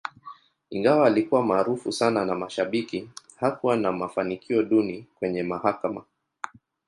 Ingawa alikuwa maarufu sana na mashabiki, hakuwa na mafanikio duni kwenye mahakama.